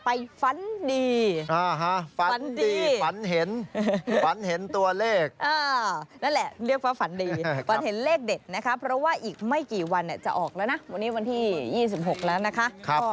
เพราะว่าอีกไม่กี่วันจะออกแล้วนะวันนี้วันที่๒๖แล้วนะครับ